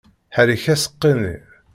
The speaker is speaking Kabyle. Ḥerrek aseqqi-nni!